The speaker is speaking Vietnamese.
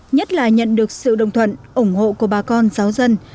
nhất là nhận được sự đồng thuận ủng hộ của bà con giáo dân